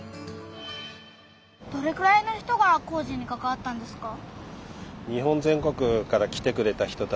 どれくらいの人が工事にかかわったんですか？